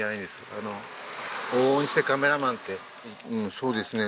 そうですね